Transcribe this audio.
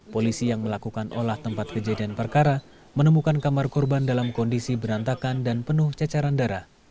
polisi yang melakukan olah tempat kejadian perkara menemukan kamar korban dalam kondisi berantakan dan penuh cecaran darah